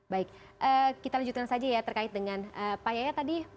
baik kita lanjutkan saja ya terkait dengan pak yaya tadi